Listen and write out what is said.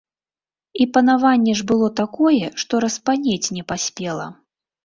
І панаванне ж было такое, што распанець не паспела.